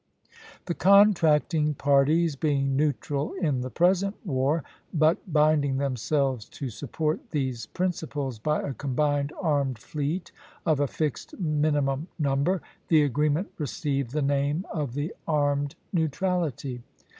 The contracting parties being neutral in the present war, but binding themselves to support these principles by a combined armed fleet of a fixed minimum number, the agreement received the name of the Armed Neutrality.